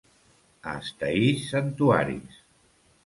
A Estaís, santuaris.